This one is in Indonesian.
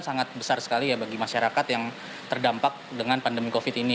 sangat besar sekali ya bagi masyarakat yang terdampak dengan pandemi covid ini